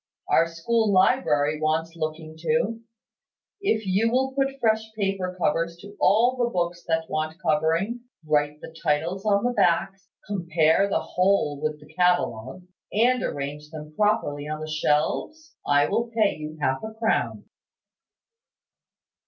Our school library wants looking to. If you will put fresh paper covers to all the books that want covering, write the titles on the backs, compare the whole with the catalogue, and arrange them properly on the shelves, I will pay you half a crown."